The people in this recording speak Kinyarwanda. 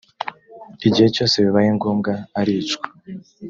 igihe cyose bibaye ngombwa aricwa